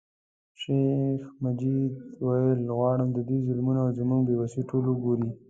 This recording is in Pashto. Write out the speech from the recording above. شیخ مجید ویل غواړم د دوی ظلمونه او زموږ بې وسي ټول وګوري.